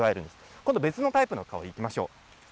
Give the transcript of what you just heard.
今度別のタイプの香りいきましょう。